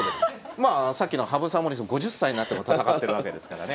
まあさっきの羽生さん森内さんも５０歳になっても戦ってるわけですからね。